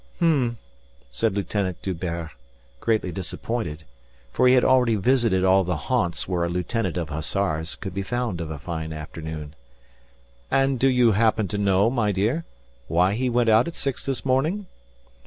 "H'm," said Lieutenant D'Hubert, greatly disappointed, for he had already visited all the haunts where a lieutenant of hussars could be found of a fine afternoon. "And do you happen to know, my dear, why he went out at six this morning?"